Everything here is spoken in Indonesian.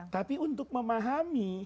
tapi untuk memahami